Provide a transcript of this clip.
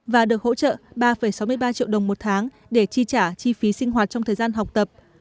và được hỗ trợ ba sáu mươi ba triệu đồng một tháng để chi trả chi phí sinh hoạt trong thời gian học tập